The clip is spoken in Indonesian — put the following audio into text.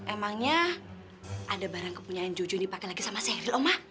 emangnya ada barang kepunyaan jojo yang dipakai lagi sama sheryl oma